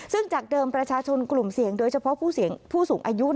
ซึ่งจากเดิมประชาชนกลุ่มเสี่ยงโดยเฉพาะผู้สูงอายุ